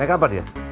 naik apa dia